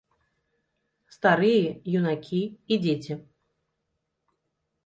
Старыя, юнакі і дзеці.